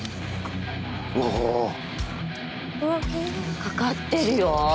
おお。かかってるよ。